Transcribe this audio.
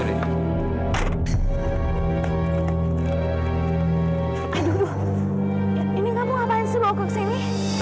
aduh ini kamu ngapain sih bawa gue kesini